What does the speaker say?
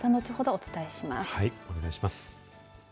お願いします。